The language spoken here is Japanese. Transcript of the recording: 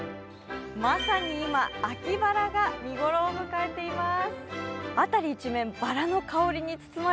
まさに今、秋バラが見頃を迎えています。